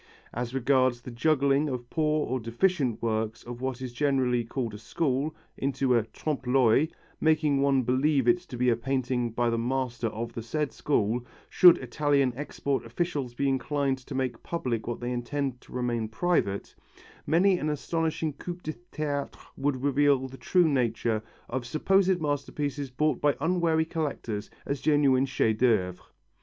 As regards the juggling of poor or deficient works of what is generally called a school, into a trompe l'œil, making one believe it to be a painting by the master of the said school, should Italian export officials be inclined to make public what is intended to remain private, many an astonishing coup de théâtre would reveal the true nature of supposed masterpieces bought by unwary collectors as genuine chefs d'œuvre.